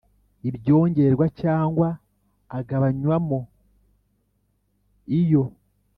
Ibyongerwa cyangwa agabanywamo iyo